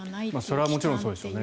それはもちろんそうでしょうね。